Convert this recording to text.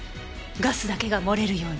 ガスだけが漏れるように。